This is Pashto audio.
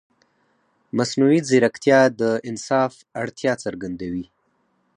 مصنوعي ځیرکتیا د انصاف اړتیا څرګندوي.